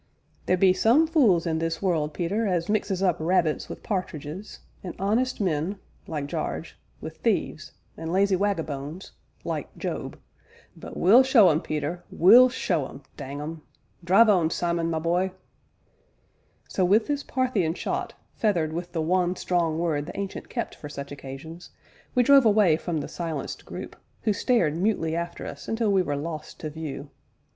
"Theer be some fules in this world, Peter, as mixes up rabbits wi' pa'tridges, and honest men like Jarge wi' thieves, an' lazy waggabones like Job but we'll show 'em, Peter, we'll show 'em dang 'em! Drive on, Simon, my bye!" So, with this Parthian shot, feathered with the one strong word the Ancient kept for such occasions, we drove away from the silenced group, who stared mutely after us until we were lost to view.